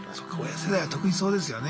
親世代は特にそうですよね。